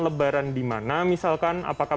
lebaran di mana misalkan apakah